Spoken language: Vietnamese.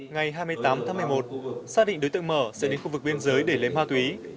ngày hai mươi tám tháng một mươi một xác định đối tượng mở sẽ đến khu vực biên giới để lấy ma túy